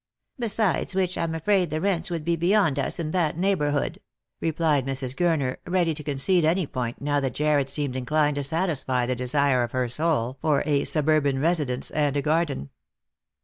" Besides which, I'm afraid the rents would be beyond us in that neighbourhood," replied Mrs. Gurner, ready to concede any point now that Jarred seemed inclined to satisfy the desire of her soul for a suburban residence and a garden.